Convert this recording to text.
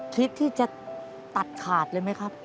คิดที่จะตัดขาดเลยไหมครับ